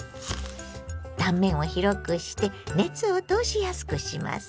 断面を広くして熱を通しやすくします。